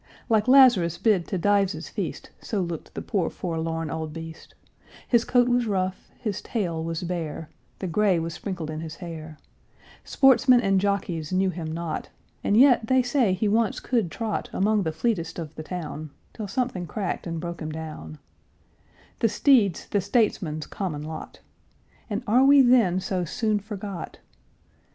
Like Lazarus bid to Dives' feast, So looked the poor forlorn old beast; His coat was rough, his tail was bare, The gray was sprinkled in his hair; Sportsmen and jockeys knew him not, And yet they say he once could trot Among the fleetest of the town, Till something cracked and broke him down, The steed's, the statesman's, common lot! "And are we then so soon forgot?"